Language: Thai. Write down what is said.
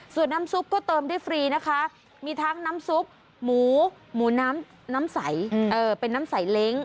ส่วนน้ำซุปก็เติมได้ฟรีนะคะมีทั้งน้ำซุปหมูหมูน้ำใสเป็นน้ำใสเล้ง